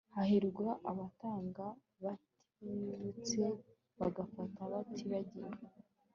Hahirwa abatanga batibutse bagafata batibagiwe